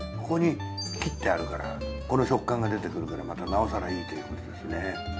ここに切ってあるからこの食感が出てくるからまたなおさらいいということですね。